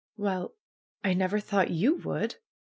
"Well, I never thought yoU would!